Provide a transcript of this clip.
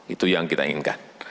itu yang kita inginkan